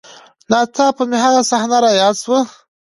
نا څاپه مې هغه صحنه راياده سوه.